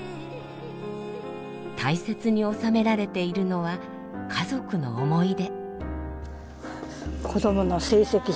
大切に納められているのは家族の思い出。